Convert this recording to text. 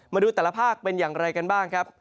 มาดูแต่ละภาคเป็นอย่างไรกันบ้างครับ